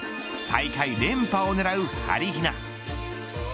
大会連覇を狙うはりひな。